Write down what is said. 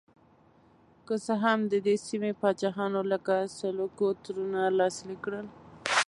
که څه هم د دې سیمې پاچاهانو لکه سلوکو تړونونه لاسلیک کړل.